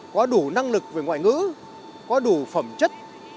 có đủ năng lực về ngoại ngữ có đủ phẩm chất